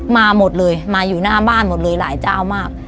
มาหมดเลยมาอยู่หน้าบ้านหมดเลยหลายเจ้ามาก